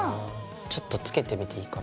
ちょっとつけてみていいかな。